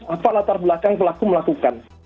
apa latar belakang pelaku melakukan